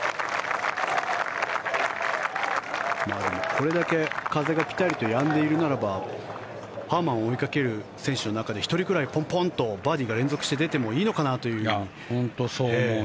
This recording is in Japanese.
これだけ風がピタリとやんでいるならばハーマンを追いかける選手の中で１人ぐらいポンポンとバーディーが連続して出てもいいのかなと思うくらい。